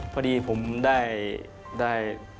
พอดีผมได้